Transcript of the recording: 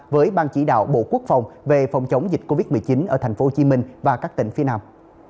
với ban chỉ đạo bộ quốc phòng về phòng chống dịch covid một mươi chín ở thành phố hồ chí minh và các tỉnh phía nam